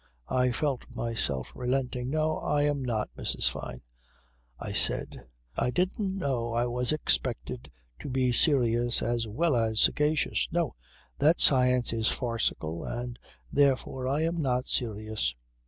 I felt myself relenting. "No. I am not, Mrs. Fyne," I said. "I didn't know I was expected to be serious as well as sagacious. No. That science is farcical and therefore I am not serious.